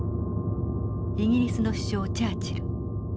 イギリスの首相チャーチル。